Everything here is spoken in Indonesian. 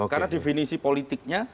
karena definisi politiknya